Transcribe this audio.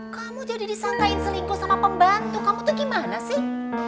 kamu jadi disangkain selingkuh sama pembantu kamu tuh gimana sih